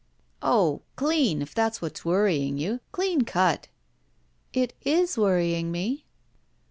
"Oh — clean — if that's what's worrying you. Clean cut." It is worrying me."